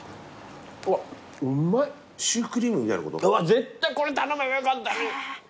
絶対これ頼めばよかったのに。